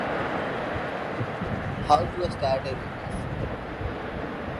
The first railway construction in the Ottoman Empire emerged with the Tanzimat.